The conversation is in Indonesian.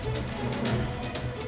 tim liputan cnn indonesia